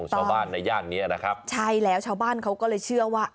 ชาวบ้านในย่านเนี้ยนะครับใช่แล้วชาวบ้านเขาก็เลยเชื่อว่า